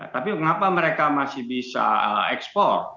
tapi mengapa mereka masih bisa ekspor